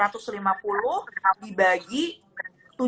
tapi bagi tujuh hari gitu kan